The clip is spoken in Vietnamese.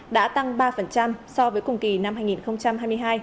đã tăng ba so với cùng kỳ năm hai nghìn hai mươi hai